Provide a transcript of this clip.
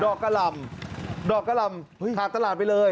กะหล่ำดอกกะหล่ำขาดตลาดไปเลย